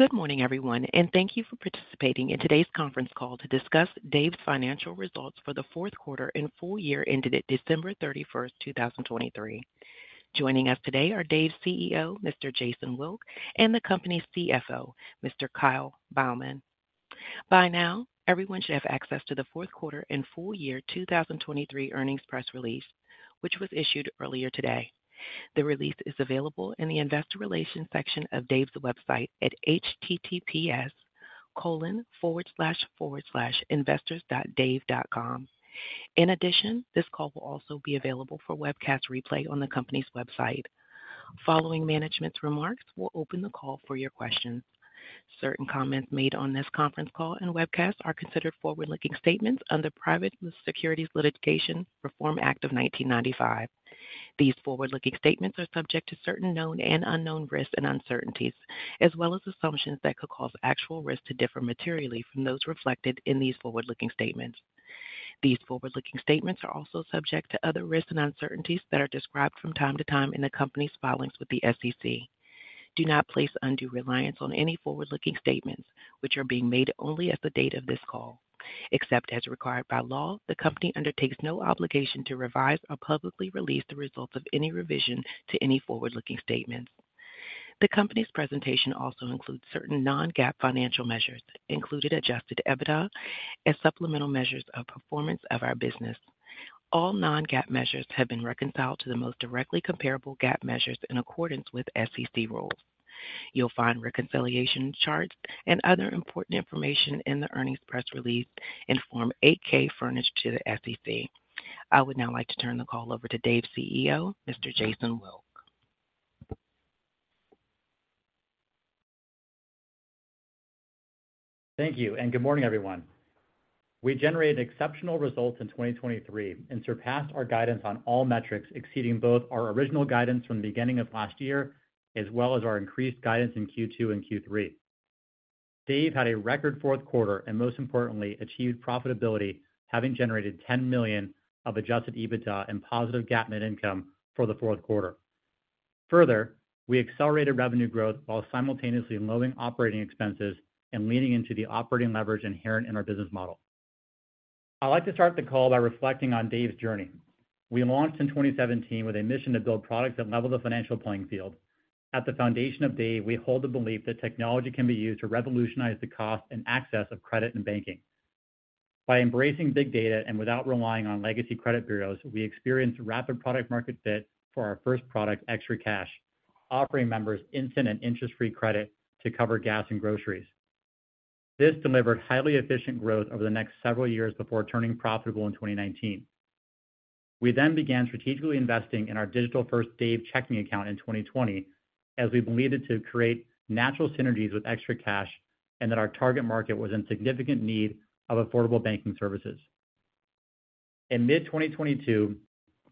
Good morning, everyone, and thank you for participating in today's conference call to discuss Dave's financial results for the fourth quarter and full year ended December 31, 2023. Joining us today are Dave's CEO, Mr. Jason Wilk, and the company's CFO, Mr. Kyle Beilman. By now, everyone should have access to the fourth quarter and full year 2023 earnings press release, which was issued earlier today. The release is available in the Investor Relations section of Dave's website at https://investors.dave.com. In addition, this call will also be available for webcast replay on the company's website. Following management's remarks, we'll open the call for your questions. Certain comments made on this conference call and webcast are considered forward-looking statements under the Private Securities Litigation Reform Act of 1995. These forward-looking statements are subject to certain known and unknown risks and uncertainties, as well as assumptions that could cause actual risks to differ materially from those reflected in these forward-looking statements. These forward-looking statements are also subject to other risks and uncertainties that are described from time to time in the company's filings with the SEC. Do not place undue reliance on any forward-looking statements, which are being made only at the date of this call. Except as required by law, the company undertakes no obligation to revise or publicly release the results of any revision to any forward-looking statements. The company's presentation also includes certain Non-GAAP financial measures, including Adjusted EBITDA and supplemental measures of performance of our business. All Non-GAAP measures have been reconciled to the most directly comparable GAAP measures in accordance with SEC rules. You'll find reconciliation charts and other important information in the earnings press release in Form 8-K furnished to the SEC. I would now like to turn the call over to Dave's CEO, Mr. Jason Wilk. Thank you, and good morning, everyone. We generated exceptional results in 2023 and surpassed our guidance on all metrics, exceeding both our original guidance from the beginning of last year, as well as our increased guidance in Q2 and Q3. Dave had a record fourth quarter and, most importantly, achieved profitability, having generated $10 million of adjusted EBITDA and positive GAAP net income for the fourth quarter. Further, we accelerated revenue growth while simultaneously lowering operating expenses and leaning into the operating leverage inherent in our business model. I'd like to start the call by reflecting on Dave's journey. We launched in 2017 with a mission to build products that level the financial playing field. At the foundation of Dave, we hold the belief that technology can be used to revolutionize the cost and access of credit and banking. By embracing big data and without relying on legacy credit bureaus, we experienced rapid product market fit for our first product, ExtraCash, offering members instant and interest-free credit to cover gas and groceries. This delivered highly efficient growth over the next several years before turning profitable in 2019. We then began strategically investing in our digital-first Dave Checking account in 2020, as we believed it to create natural synergies with ExtraCash and that our target market was in significant need of affordable banking services. In mid-2022,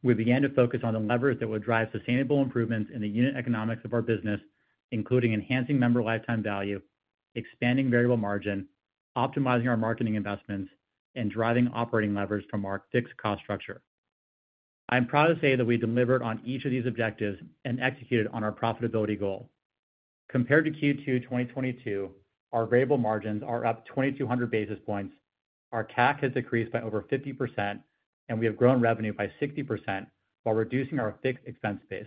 we began to focus on the levers that would drive sustainable improvements in the unit economics of our business, including enhancing member lifetime value, expanding variable margin, optimizing our marketing investments, and driving operating levers from our fixed cost structure. I'm proud to say that we delivered on each of these objectives and executed on our profitability goal. Compared to Q2 2022, our variable margins are up 2,200 basis points, our CAC has decreased by over 50%, and we have grown revenue by 60% while reducing our fixed expense base.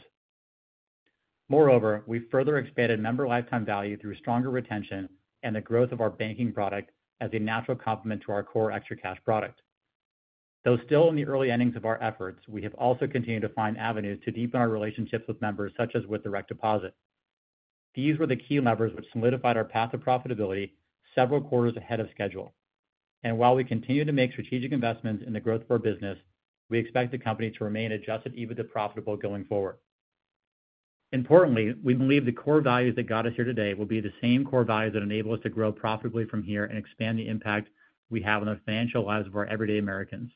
Moreover, we've further expanded member lifetime value through stronger retention and the growth of our banking product as a natural complement to our core ExtraCash product. Though still in the early innings of our efforts, we have also continued to find avenues to deepen our relationships with members, such as with direct deposit. These were the key levers which solidified our path to profitability several quarters ahead of schedule. And while we continue to make strategic investments in the growth of our business, we expect the company to remain Adjusted EBITDA profitable going forward. Importantly, we believe the core values that got us here today will be the same core values that enable us to grow profitably from here and expand the impact we have on the financial lives of our everyday Americans.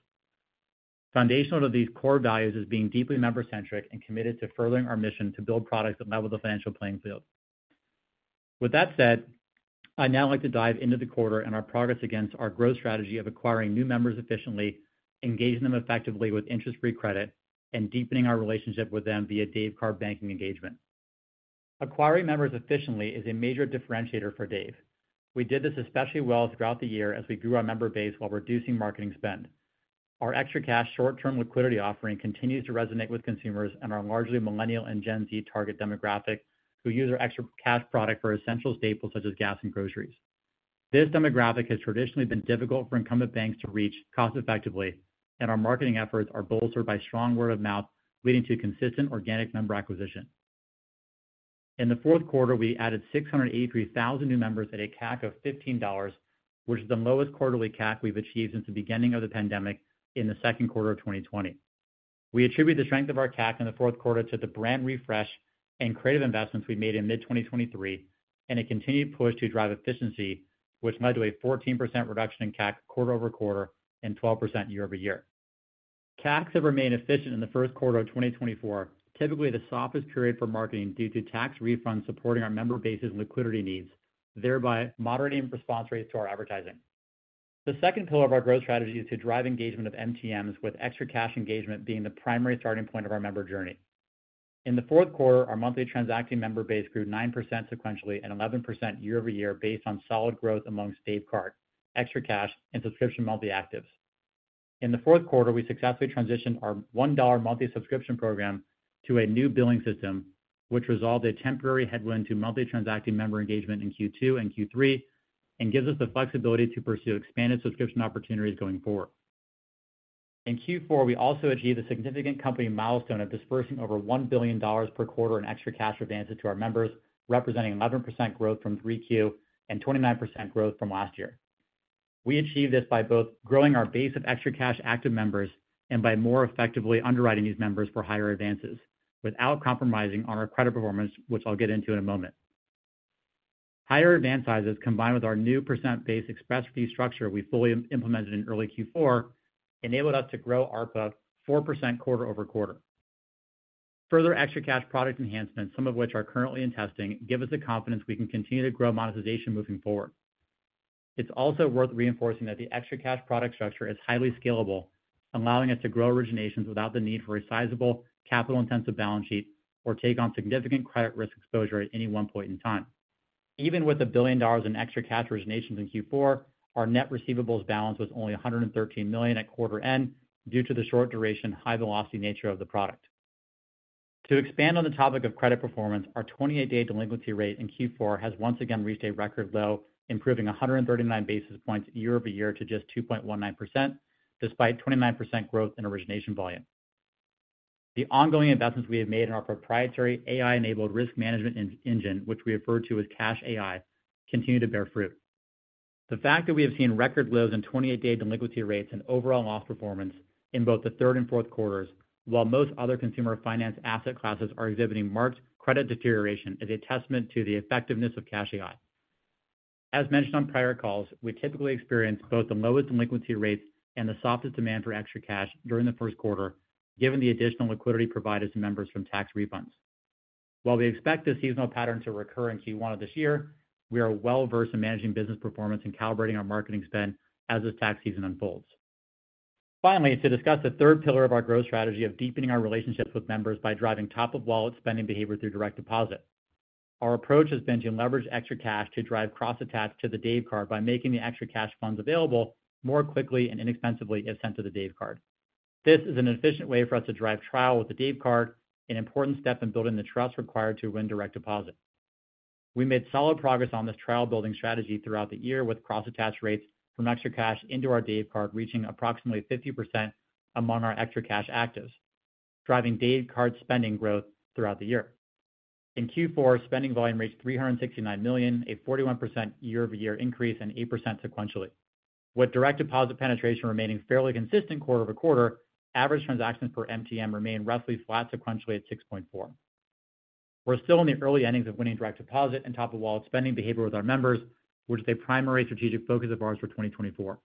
Foundational to these core values is being deeply member-centric and committed to furthering our mission to build products that level the financial playing field. With that said, I'd now like to dive into the quarter and our progress against our growth strategy of acquiring new members efficiently, engaging them effectively with interest-free credit, and deepening our relationship with them via Dave Card banking engagement. Acquiring members efficiently is a major differentiator for Dave. We did this especially well throughout the year as we grew our member base while reducing marketing spend. Our ExtraCash short-term liquidity offering continues to resonate with consumers and our largely Millennial and Gen Z target demographic, who use our ExtraCash product for essential staples such as gas and groceries. This demographic has traditionally been difficult for incumbent banks to reach cost effectively, and our marketing efforts are bolstered by strong word of mouth, leading to consistent organic member acquisition. In the fourth quarter, we added 683,000 new members at a CAC of $15, which is the lowest quarterly CAC we've achieved since the beginning of the pandemic in the second quarter of 2020. We attribute the strength of our CAC in the fourth quarter to the brand refresh and creative investments we made in mid-2023 and a continued push to drive efficiency, which led to a 14% reduction in CAC quarter-over-quarter and 12% year-over-year. CACs have remained efficient in the first quarter of 2024, typically the softest period for marketing due to tax refunds supporting our member base's liquidity needs, thereby moderating response rates to our advertising. The second pillar of our growth strategy is to drive engagement of MTMs, with ExtraCash engagement being the primary starting point of our member journey. In the fourth quarter, our monthly transacting member base grew 9% sequentially and 11% year-over-year, based on solid growth amongst Dave Card, ExtraCash, and subscription monthly actives. In the fourth quarter, we successfully transitioned our $1 monthly subscription program to a new billing system, which resolved a temporary headwind to monthly transacting member engagement in Q2 and Q3, and gives us the flexibility to pursue expanded subscription opportunities going forward. In Q4, we also achieved a significant company milestone of disbursing over $1 billion per quarter in ExtraCash advances to our members, representing 11% growth from Q3 and 29% growth from last year. We achieved this by both growing our base of ExtraCash active members and by more effectively underwriting these members for higher advances, without compromising on our credit performance, which I'll get into in a moment. Higher advance sizes, combined with our new percent-based express fee structure we fully implemented in early Q4, enabled us to grow ARPA 4% quarter-over-quarter. Further ExtraCash product enhancements, some of which are currently in testing, give us the confidence we can continue to grow monetization moving forward. It's also worth reinforcing that the ExtraCash product structure is highly scalable, allowing us to grow originations without the need for a sizable, capital-intensive balance sheet or take on significant credit risk exposure at any one point in time. Even with $1 billion in ExtraCash originations in Q4, our net receivables balance was only $113 million at quarter end, due to the short duration, high velocity nature of the product. To expand on the topic of credit performance, our 28-day delinquency rate in Q4 has once again reached a record low, improving 139 basis points year-over-year to just 2.19%, despite 29% growth in origination volume. The ongoing investments we have made in our proprietary AI-enabled risk management engine, which we refer to as CashAI, continue to bear fruit. The fact that we have seen record lows in 28-day delinquency rates and overall loss performance in both the third and fourth quarters, while most other consumer finance asset classes are exhibiting marked credit deterioration, is a testament to the effectiveness of CashAI. As mentioned on prior calls, we typically experience both the lowest delinquency rates and the softest demand for ExtraCash during the first quarter, given the additional liquidity provided to members from tax refunds. While we expect this seasonal pattern to recur in Q1 of this year, we are well-versed in managing business performance and calibrating our marketing spend as this tax season unfolds. Finally, to discuss the third pillar of our growth strategy of deepening our relationships with members by driving top-of-wallet spending behavior through direct deposit. Our approach has been to leverage ExtraCash to drive cross-attach to the Dave Card by making the ExtraCash funds available more quickly and inexpensively if sent to the Dave Card. This is an efficient way for us to drive trial with the Dave Card, an important step in building the trust required to win direct deposit. We made solid progress on this trial-building strategy throughout the year, with cross-attach rates from ExtraCash into our Dave Card reaching approximately 50% among our ExtraCash actives, driving Dave Card spending growth throughout the year. In Q4, spending volume reached $369 million, a 41% year-over-year increase, and 8% sequentially. With direct deposit penetration remaining fairly consistent quarter-over-quarter, average transactions per MTM remain roughly flat sequentially at 6.4. We're still in the early innings of winning direct deposit and top-of-wallet spending behavior with our members, which is a primary strategic focus of ours for 2024.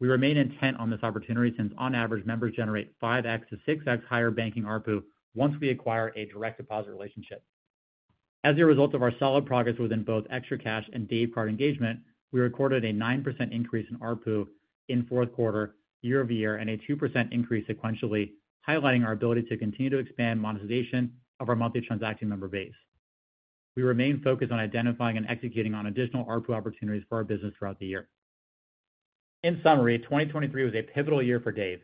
We remain intent on this opportunity since, on average, members generate 5x-6x higher banking ARPU once we acquire a direct deposit relationship. As a result of our solid progress within both ExtraCash and Dave Card engagement, we recorded a 9% increase in ARPU in fourth quarter year-over-year, and a 2% increase sequentially, highlighting our ability to continue to expand monetization of our monthly transacting member base. We remain focused on identifying and executing on additional ARPU opportunities for our business throughout the year. In summary, 2023 was a pivotal year for Dave.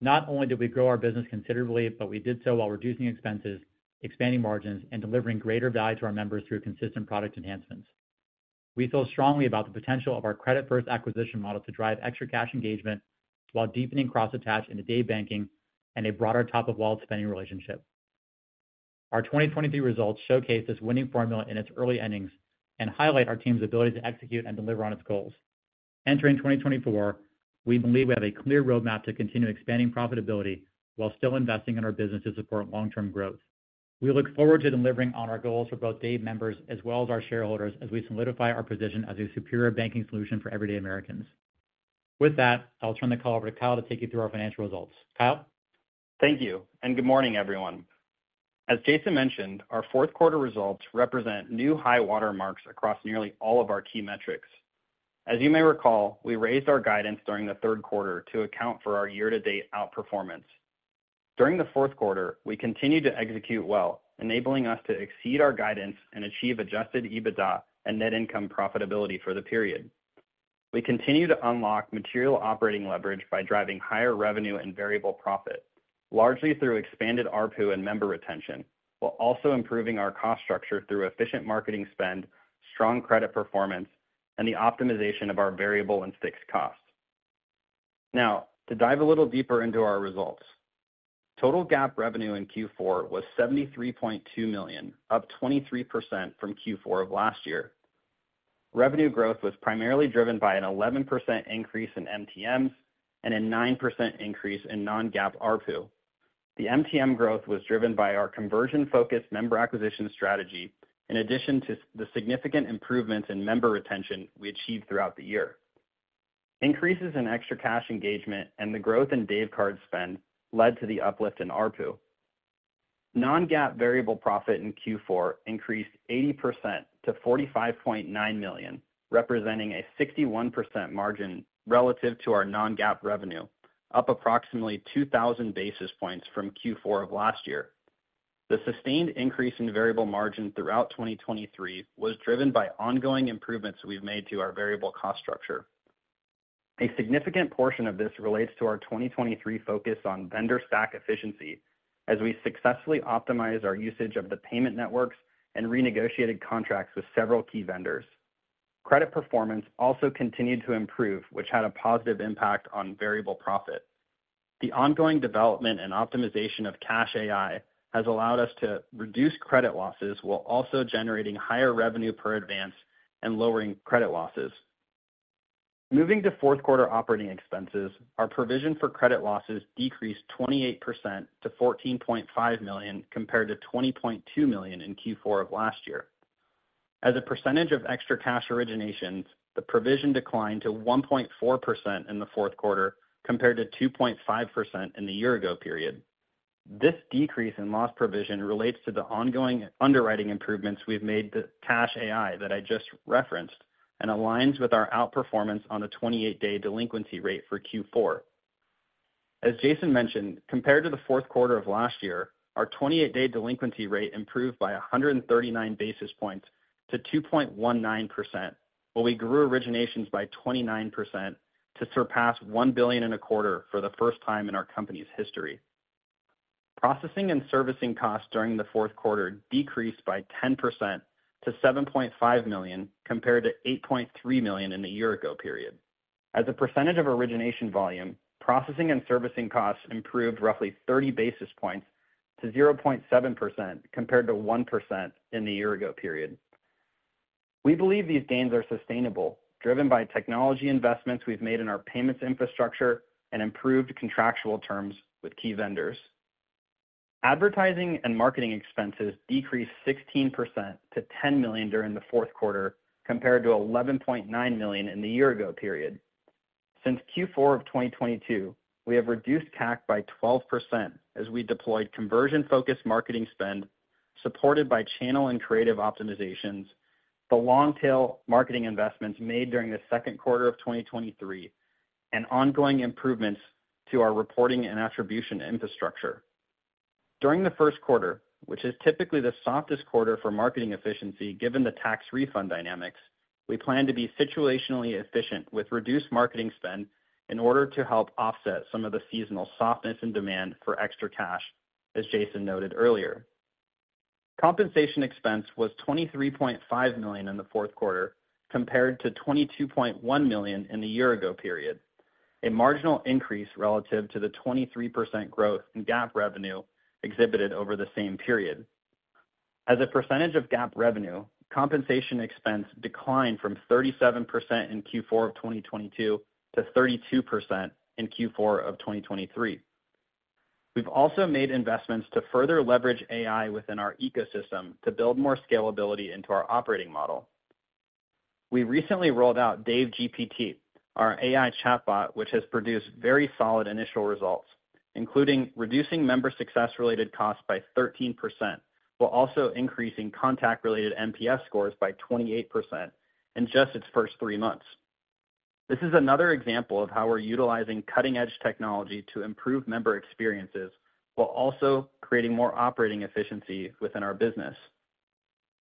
Not only did we grow our business considerably, but we did so while reducing expenses, expanding margins, and delivering greater value to our members through consistent product enhancements. We feel strongly about the potential of our credit-first acquisition model to drive ExtraCash engagement while deepening cross-attach into Dave banking and a broader top-of-wallet spending relationship. Our 2023 results showcase this winning formula in its early innings and highlight our team's ability to execute and deliver on its goals. Entering 2024, we believe we have a clear roadmap to continue expanding profitability while still investing in our business to support long-term growth. We look forward to delivering on our goals for both Dave members as well as our shareholders, as we solidify our position as a superior banking solution for everyday Americans. With that, I'll turn the call over to Kyle to take you through our financial results. Kyle? Thank you, and good morning, everyone. As Jason mentioned, our fourth quarter results represent new high water marks across nearly all of our key metrics. As you may recall, we raised our guidance during the third quarter to account for our year-to-date outperformance. During the fourth quarter, we continued to execute well, enabling us to exceed our guidance and achieve Adjusted EBITDA and net income profitability for the period. We continue to unlock material operating leverage by driving higher revenue and variable profit, largely through expanded ARPU and member retention, while also improving our cost structure through efficient marketing spend, strong credit performance, and the optimization of our variable and fixed costs. Now, to dive a little deeper into our results. Total GAAP revenue in Q4 was $73.2 million, up 23% from Q4 of last year. Revenue growth was primarily driven by an 11% increase in MTMs and a 9% increase in non-GAAP ARPU. The MTM growth was driven by our conversion-focused member acquisition strategy, in addition to the significant improvements in member retention we achieved throughout the year. Increases in ExtraCash engagement and the growth in Dave Card spend led to the uplift in ARPU... Non-GAAP variable profit in Q4 increased 80% to $45.9 million, representing a 61% margin relative to our non-GAAP revenue, up approximately 2,000 basis points from Q4 of last year. The sustained increase in variable margin throughout 2023 was driven by ongoing improvements we've made to our variable cost structure. A significant portion of this relates to our 2023 focus on vendor stack efficiency, as we successfully optimized our usage of the payment networks and renegotiated contracts with several key vendors. Credit performance also continued to improve, which had a positive impact on variable profit. The ongoing development and optimization of CashAI has allowed us to reduce credit losses while also generating higher revenue per advance and lowering credit losses. Moving to fourth quarter operating expenses, our provision for credit losses decreased 28% to $14.5 million, compared to $20.2 million in Q4 of last year. As a percentage of ExtraCash originations, the provision declined to 1.4% in the fourth quarter, compared to 2.5% in the year ago period. This decrease in loss provision relates to the ongoing underwriting improvements we've made to CashAI that I just referenced, and aligns with our outperformance on the 28-day delinquency rate for Q4. As Jason mentioned, compared to the fourth quarter of last year, our 28-day delinquency rate improved by 139 basis points to 2.19%, while we grew originations by 29% to surpass $1 billion in a quarter for the first time in our company's history. Processing and servicing costs during the fourth quarter decreased by 10% to $7.5 million, compared to $8.3 million in the year ago period. As a percentage of origination volume, processing and servicing costs improved roughly 30 basis points to 0.7%, compared to 1% in the year ago period. We believe these gains are sustainable, driven by technology investments we've made in our payments infrastructure and improved contractual terms with key vendors. Advertising and marketing expenses decreased 16% to $10 million during the fourth quarter, compared to $11.9 million in the year ago period. Since Q4 of 2022, we have reduced CAC by 12% as we deployed conversion-focused marketing spend, supported by channel and creative optimizations, the long-tail marketing investments made during the second quarter of 2023, and ongoing improvements to our reporting and attribution infrastructure. During the first quarter, which is typically the softest quarter for marketing efficiency, given the tax refund dynamics, we plan to be situationally efficient with reduced marketing spend in order to help offset some of the seasonal softness and demand for ExtraCash, as Jason noted earlier. Compensation expense was $23.5 million in the fourth quarter, compared to $22.1 million in the year ago period, a marginal increase relative to the 23% growth in GAAP revenue exhibited over the same period. As a percentage of GAAP revenue, compensation expense declined from 37% in Q4 of 2022 to 32% in Q4 of 2023. We've also made investments to further leverage AI within our ecosystem to build more scalability into our operating model. We recently rolled out DaveGPT, our AI chatbot, which has produced very solid initial results, including reducing member success-related costs by 13%, while also increasing contact-related NPS scores by 28% in just its first three months. This is another example of how we're utilizing cutting-edge technology to improve member experiences, while also creating more operating efficiency within our business.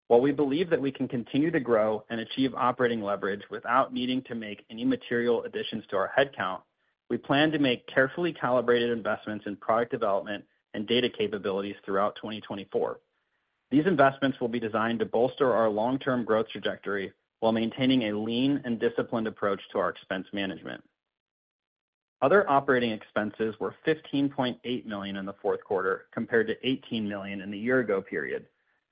While we believe that we can continue to grow and achieve operating leverage without needing to make any material additions to our headcount, we plan to make carefully calibrated investments in product development and data capabilities throughout 2024. These investments will be designed to bolster our long-term growth trajectory while maintaining a lean and disciplined approach to our expense management. Other operating expenses were $15.8 million in the fourth quarter, compared to $18 million in the year ago period,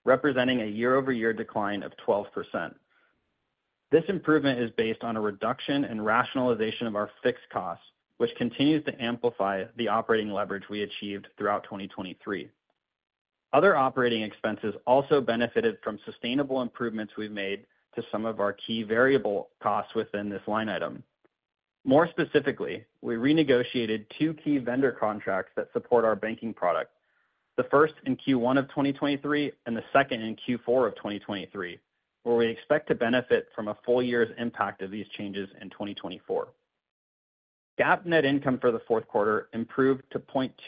representing a year-over-year decline of 12%. This improvement is based on a reduction in rationalization of our fixed costs, which continues to amplify the operating leverage we achieved throughout 2023. Other operating expenses also benefited from sustainable improvements we've made to some of our key variable costs within this line item. More specifically, we renegotiated two key vendor contracts that support our banking product. The first in Q1 of 2023, and the second in Q4 of 2023, where we expect to benefit from a full year's impact of these changes in 2024. GAAP net income for the fourth quarter improved to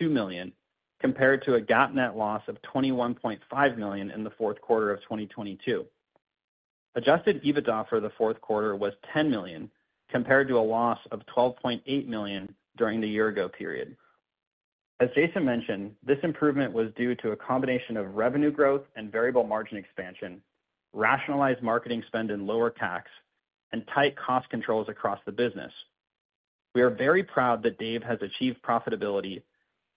$0.2 million, compared to a GAAP net loss of $21.5 million in the fourth quarter of 2022. Adjusted EBITDA for the fourth quarter was $10 million, compared to a loss of $12.8 million during the year ago period. As Jason mentioned, this improvement was due to a combination of revenue growth and variable margin expansion, rationalized marketing spend and lower tax, and tight cost controls across the business. We are very proud that Dave has achieved profitability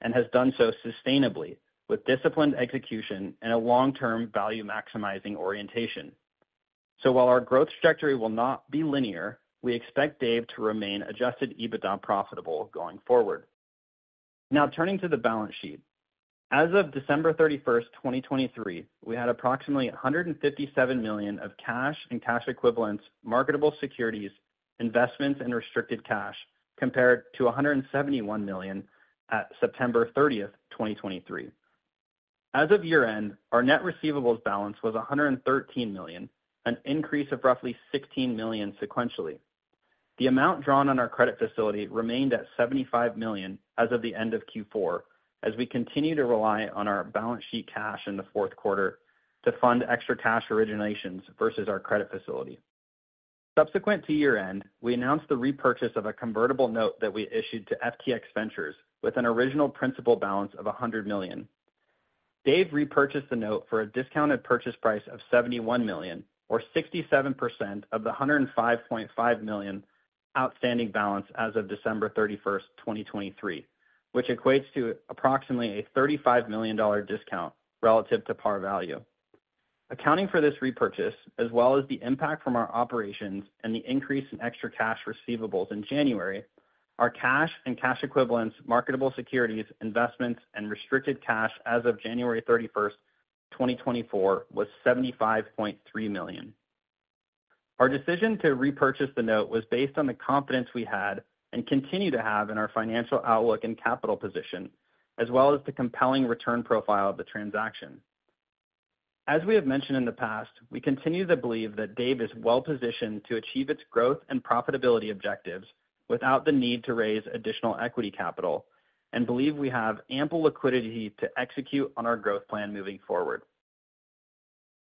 and has done so sustainably, with disciplined execution and a long-term value-maximizing orientation. So while our growth trajectory will not be linear, we expect Dave to remain Adjusted EBITDA profitable going forward. Now, turning to the balance sheet. As of December 31, 2023, we had approximately $157 million of cash and cash equivalents, marketable securities, investments and restricted cash compared to $171 million at September 30, 2023. As of year-end, our net receivables balance was $113 million, an increase of roughly $16 million sequentially. The amount drawn on our credit facility remained at $75 million as of the end of Q4, as we continue to rely on our balance sheet cash in the fourth quarter to fund ExtraCash originations versus our credit facility. Subsequent to year-end, we announced the repurchase of a convertible note that we issued to FTX Ventures with an original principal balance of $100 million. Dave repurchased the note for a discounted purchase price of $71 million, or 67% of the $105.5 million outstanding balance as of December 31, 2023, which equates to approximately a $35 million discount relative to par value. Accounting for this repurchase, as well as the impact from our operations and the increase in ExtraCash receivables in January, our cash and cash equivalents, marketable securities, investments, and restricted cash as of January 31, 2024, was $75.3 million. Our decision to repurchase the note was based on the confidence we had and continue to have in our financial outlook and capital position, as well as the compelling return profile of the transaction. As we have mentioned in the past, we continue to believe that Dave is well-positioned to achieve its growth and profitability objectives without the need to raise additional equity capital and believe we have ample liquidity to execute on our growth plan moving forward.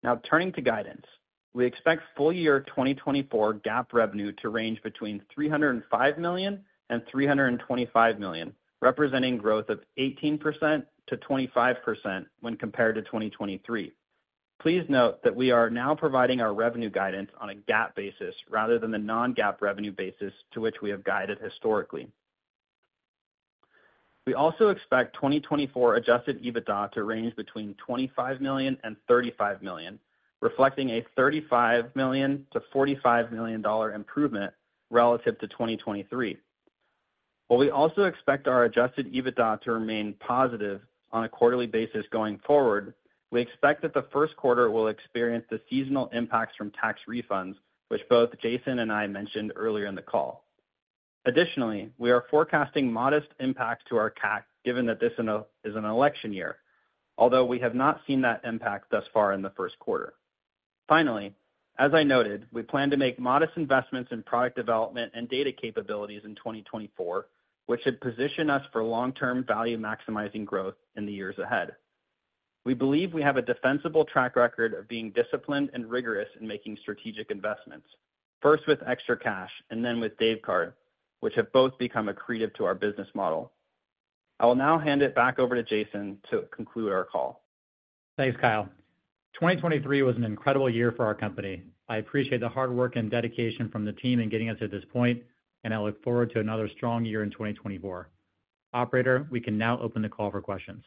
Now, turning to guidance. We expect full year 2024 GAAP revenue to range between $305 million and $325 million, representing growth of 18%-25% when compared to 2023. Please note that we are now providing our revenue guidance on a GAAP basis rather than the non-GAAP revenue basis to which we have guided historically. We also expect 2024 adjusted EBITDA to range between $25 million and $35 million, reflecting a $35 million-$45 million dollar improvement relative to 2023. While we also expect our Adjusted EBITDA to remain positive on a quarterly basis going forward, we expect that the first quarter will experience the seasonal impacts from tax refunds, which both Jason and I mentioned earlier in the call. Additionally, we are forecasting modest impact to our CAC, given that this is an election year, although we have not seen that impact thus far in the first quarter. Finally, as I noted, we plan to make modest investments in product development and data capabilities in 2024, which should position us for long-term value-maximizing growth in the years ahead. We believe we have a defensible track record of being disciplined and rigorous in making strategic investments, first with ExtraCash and then with Dave Card, which have both become accretive to our business model. I will now hand it back over to Jason to conclude our call. Thanks, Kyle. 2023 was an incredible year for our company. I appreciate the hard work and dedication from the team in getting us to this point, and I look forward to another strong year in 2024. Operator, we can now open the call for questions.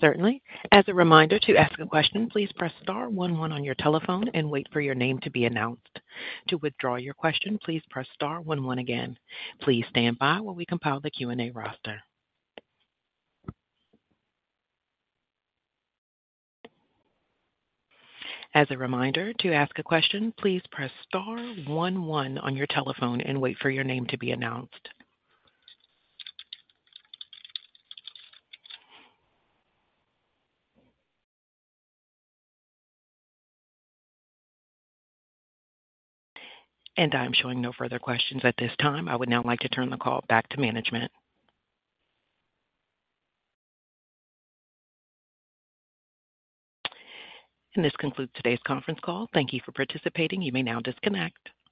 Certainly. As a reminder, to ask a question, please press star one one on your telephone and wait for your name to be announced. To withdraw your question, please press star one one again. Please stand by while we compile the Q&A roster. As a reminder, to ask a question, please press star one one on your telephone and wait for your name to be announced. I'm showing no further questions at this time. I would now like to turn the call back to management. This concludes today's conference call. Thank you for participating. You may now disconnect.